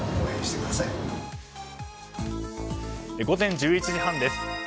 午前１１時半です。